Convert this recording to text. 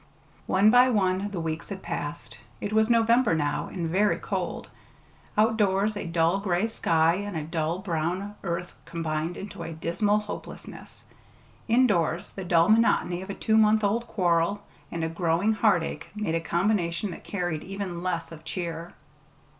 One by one the weeks had passed. It was November now, and very cold. Outdoors a dull gray sky and a dull brown earth combined into a dismal hopelessness. Indoors the dull monotony of a two months old quarrel and a growing heartache made a combination that carried even less of cheer.